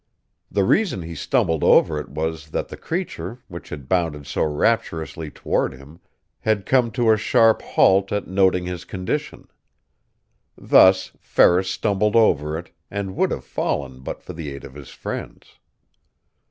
The reason he stumbled over it was that the creature, which had bounded so rapturously toward him, had come to a sharp halt at noting his condition. Thus, Ferris stumbled over it; and would have fallen but for the aid of his friends.